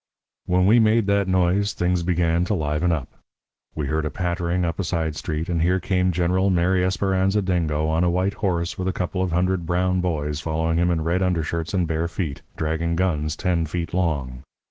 "When we made that noise things began to liven up. We heard a pattering up a side street, and here came General Mary Esperanza Dingo on a white horse with a couple of hundred brown boys following him in red undershirts and bare feet, dragging guns ten feet long.